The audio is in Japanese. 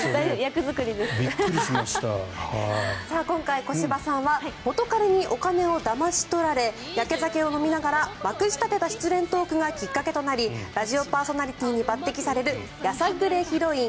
今回小芝さんは元彼にお金をだまし取られやけ酒を飲みながらまくし立てた失恋トークがきっかけとなりラジオパーソナリティーに抜てきされるやさぐれヒロイン